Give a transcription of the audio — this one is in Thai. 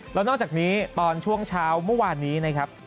แล้วนอกจากนี้ตอนช่วงเช้าเมื่อวานนี้นะครับ